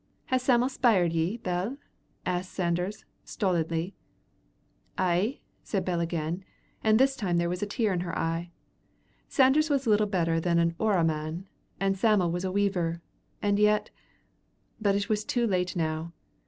"Has Sam'l speired ye, Bell?" asked Sanders, stolidly. "Ay," said Bell again, and this time there was a tear in her eye. Sanders was little better than an "orra man," and Sam'l was a weaver, and yet But it was too late now.